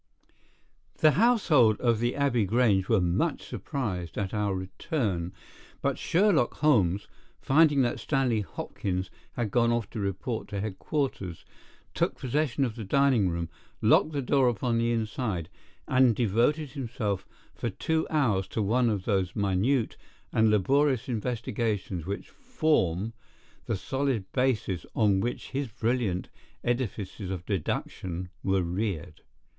The household at the Abbey Grange were much surprised at our return, but Sherlock Holmes, finding that Stanley Hopkins had gone off to report to headquarters, took possession of the dining room, locked the door upon the inside, and devoted himself for two hours to one of those minute and laborious investigations which form the solid basis on which his brilliant edifices of deduction were reared.